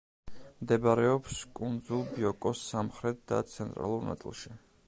მდებარეობს კუნძულ ბიოკოს სამხრეთ და ცენტრალურ ნაწილში.